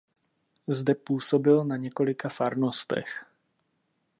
Zde působil na několika farnostech.